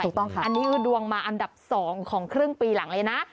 ถูกต้องค่ะอันนี้คือดวงมาอันดับ๒ของครึ่งปีหลังเลยนะ